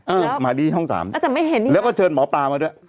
เออหมาดีห้อง๓แล้วก็เชิญหมอป๊ามาด้วย